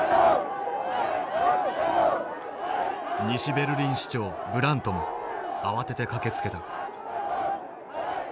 西ベルリン市長ブラントも慌てて駆けつけた。